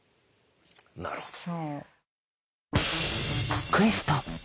なるほど。